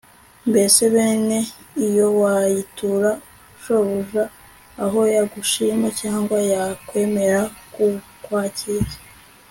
Mbese bene iyo wayitura shobuja aho yagushima cyangwa yakwemera kukwakira